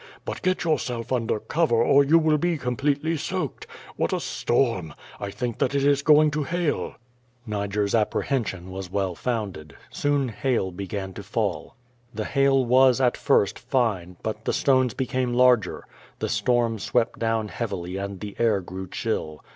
But get yourself under cover, or you will be completely soaked. What a storm! I think that it is going to hail/' Niger's apprehension was well founded. Soon hail l^egan to fall. The hail was, at first, fine, but the stones became lar ger. The storm swept down heavily and the air grew chill.